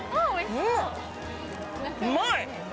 うまい！